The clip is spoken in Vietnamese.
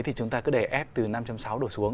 thì chúng ta cứ để f từ năm sáu đổi xuống